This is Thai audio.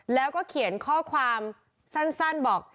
แล้วก็เขียนข้อความสั้นบอก